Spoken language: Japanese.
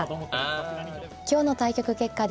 今日の対局結果です。